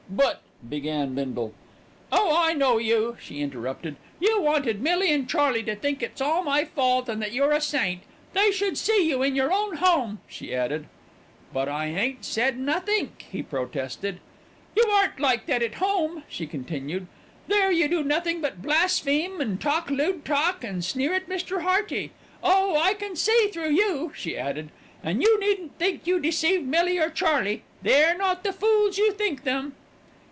"But " began Bindle. "Oh, I know you," she interrupted. "You wanted Millie and Charley to think it's all my fault and that you're a saint. They should see you in your own home," she added. "But I ain't said nothink," he protested. "You aren't like that at home," she continued. "There you do nothing but blaspheme and talk lewd talk and sneer at Mr. Hearty. Oh! I can see through you," she added, "and you needn't think you deceived Millie, or Charley. They're not the fools you think them."